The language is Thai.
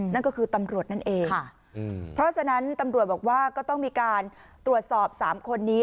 นั่นก็คือตำรวจนั่นเองเพราะฉะนั้นตำรวจบอกว่าก็ต้องมีการตรวจสอบ๓คนนี้